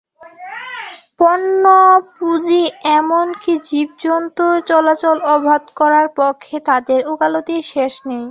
পণ্য, পুঁজি এমনকি জীবজন্তুর চলাচল অবাধ করার পক্ষে তাদের ওকালতির শেষ নেই।